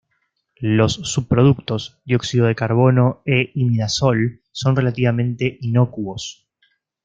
Los subproductos, dióxido de carbono e imidazol, son relativamente inocuos.